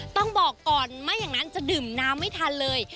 ต้องบอกก่อนไม่อย่างนั้นจะดื่มน้ำไม่ทันเลย